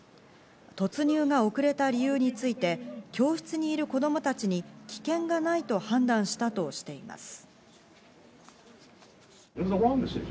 突入が遅れた理由について、教室にいる子供たちに危険がないと判断したとしています。